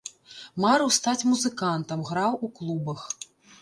Марыў стаць музыкантам, граў у клубах.